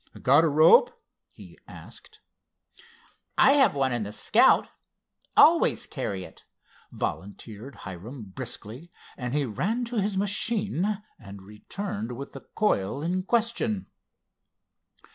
"Got a rope?" he asked. "I have one, in the Scout. Always carry it," volunteered Hiram briskly and he ran to his machine and returned with the coil in question.